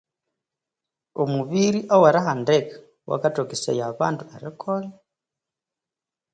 Omubiri owerihandika wakathokesaya abandu erikolha